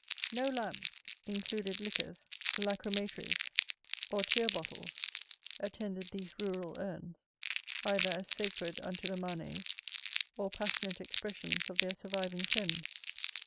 No Lamps, included liquors, lacrymatories, or tear bottles, attended these rural urns, either as sacred unto the manes, or passionate expressions of their surviving friends.